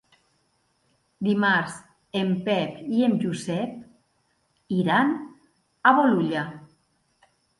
Dimarts en Pep i en Josep iran a Bolulla.